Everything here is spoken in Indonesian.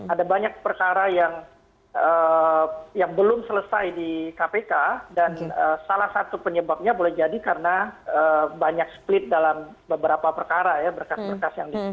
ada banyak perkara yang belum selesai di kpk dan salah satu penyebabnya boleh jadi karena banyak split dalam beberapa perkara ya berkas berkas yang di